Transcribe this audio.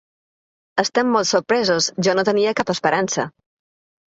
Estem molt sorpresos, jo no tenia cap esperança.